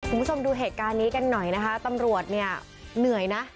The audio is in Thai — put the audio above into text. คุณผู้ชมดูเหตุการณ์นี้กันหน่อยนะคะตำรวจเนี่ยเหนื่อยนะ